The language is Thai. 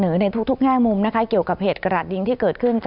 ในทุกแง่มุมนะคะเกี่ยวกับเหตุกระดาษยิงที่เกิดขึ้น